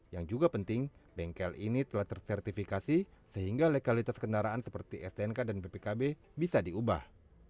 yang juga penting bengkel ini telah tersertifikasi sehingga lekalitas kendaraan seperti stnk dan bpkb bisa diubah